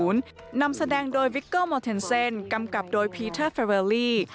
นำแสดงโดยวิกเกิลโมเทนเซนกำกับโดยพีเทอร์แฟเวอรี่